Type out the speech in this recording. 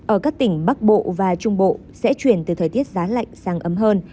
ở các tỉnh bắc bộ và trung bộ sẽ chuyển từ thời tiết giá lạnh sang ấm hơn